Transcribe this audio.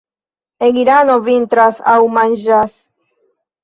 En Irano vintras aŭ manĝas.